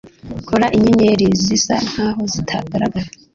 Kora inyenyeri zisa nkaho zitagaragara